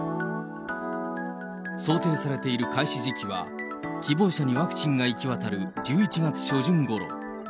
想定されている開始時期は、希望者にワクチンが行き渡る１１月初旬ごろ。